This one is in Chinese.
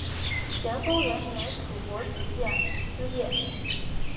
咸丰元年署国子监司业。